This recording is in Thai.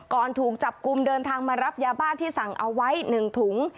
ถูกจับกลุ่มเดินทางมารับยาบ้าที่สั่งเอาไว้๑ถุง